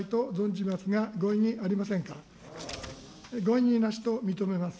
ご異議なしと認めます。